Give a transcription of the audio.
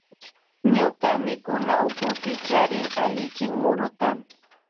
Ñuka mikunawkupi charin allichin muruta.